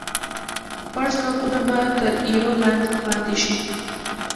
پټ ځواکونه به تر ایرو لاندې پاتې شي.